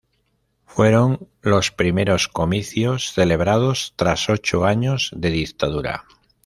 Fueron los primeros comicios celebrados tras ocho años de dictadura.